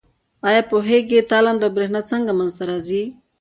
آیا پوهیږئ تالنده او برېښنا څنګه منځ ته راځي؟